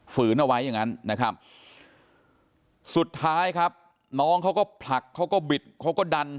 ฝืนเอาไว้อย่างนั้นนะครับสุดท้ายครับน้องเขาก็ผลักเขาก็บิดเขาก็ดัน